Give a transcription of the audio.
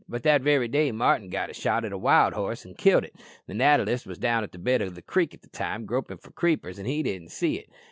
But that very day Martin got a shot at a wild horse an' killed it. The natter list was down in the bed o' a creek at the time gropin' for creepers, an' he didn't see it.